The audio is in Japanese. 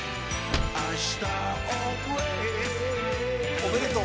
おめでとう。